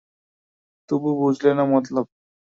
তবু বুঝলে না মতলব?